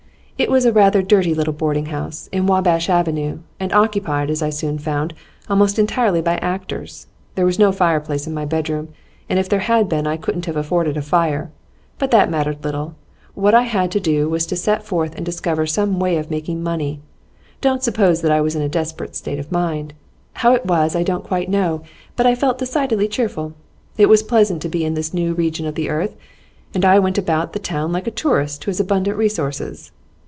It was a rather dirty little boarding house, in Wabash Avenue, and occupied, as I soon found, almost entirely by actors. There was no fireplace in my bedroom, and if there had been I couldn't have afforded a fire. But that mattered little; what I had to do was to set forth and discover some way of making money. Don't suppose that I was in a desperate state of mind; how it was, I don't quite know, but I felt decidedly cheerful. It was pleasant to be in this new region of the earth, and I went about the town like a tourist who has abundant resources.